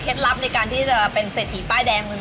เคล็ดลับในการที่จะเป็นเศรษฐีป้ายแดงหนึ่ง